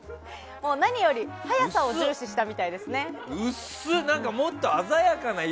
何より早さを重視したみたいですね。